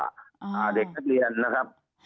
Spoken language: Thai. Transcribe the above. อ่าเด็กนักเรียนนะครับ